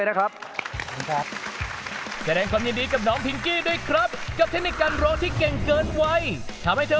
แชมป์กลุ่มนี้คือ